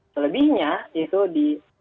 selebihnya itu di